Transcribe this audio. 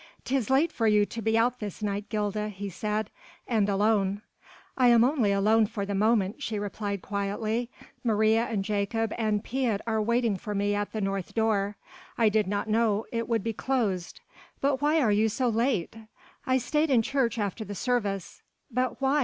"'Tis late for you to be out this night, Gilda," he said, "and alone." "I am only alone for the moment," she replied quietly. "Maria and Jakob and Piet are waiting for me at the north door. I did not know it would be closed." "But why are you so late?" "I stayed in church after the service." "But why?"